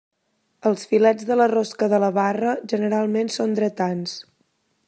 Els filets de la rosca de la barra generalment són dretans.